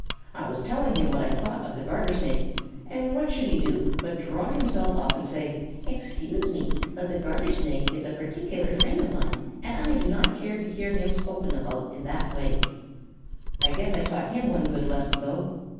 I was telling him what I thought of the Garter Snake, and what should he do but draw himself up and say: 'Excuse me, but the Garter Snake is a particular friend of mine, and I do not care to hear him spoken of in that way.' I guess I taught him one good lesson, though.